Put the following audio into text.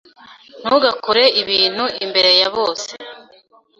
Ntugakore ibintu imbere ya bose.